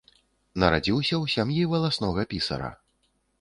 Нарадзіўся ў сям'і валаснога пісара.